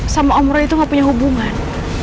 sama om roro itu gak punya hubungan